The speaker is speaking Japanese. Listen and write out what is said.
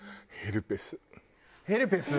ヘルペス？